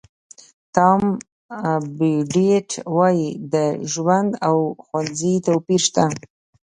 ټام بوډیټ وایي د ژوند او ښوونځي توپیر شته.